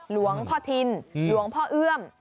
หลวงพ่อทินหลวงพ่อเอื้อม